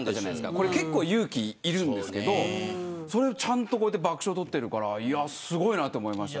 これは結構勇気がいるんですけどそれをちゃんとやって爆笑を取っているからすごいなと思いました。